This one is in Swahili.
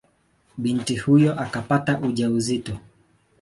Binti huyo akapata ujauzito.